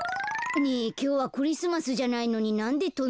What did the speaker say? ねえきょうはクリスマスじゃないのになんでとんでたの？